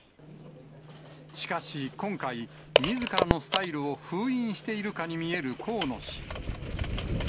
しかし、今回、みずからのスタイルを封印しているかに見える河野氏。